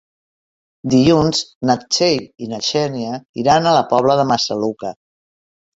Dilluns na Txell i na Xènia iran a la Pobla de Massaluca.